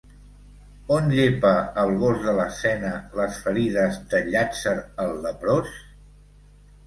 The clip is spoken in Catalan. On llepa el gos de l'escena les ferides de Llàtzer el leprós?